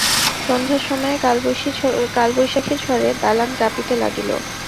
সন্ধ্যার সময়ে কালবৈশাখী ঝড়ে দালান কাঁপিতে লাগিল।